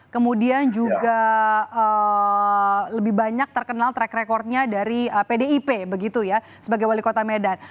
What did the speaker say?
kemudian juga lebih banyak terkenal track recordnya dari pdip begitu ya sebagai wali kota medan